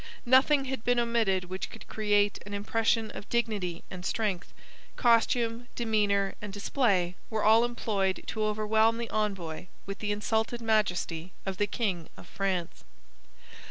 Nothing had been omitted which could create an impression of dignity and strength. Costume, demeanour, and display were all employed to overwhelm the envoy with the insulted majesty of the king of France.